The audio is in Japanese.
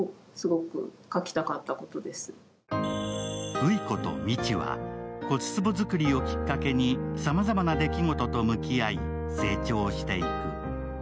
羽衣子と道は骨つぼ作りをきっかけにさまざまな出来事と向き合い、成長していく。